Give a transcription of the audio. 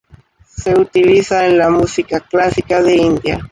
Su utiliza en la música clásica de India.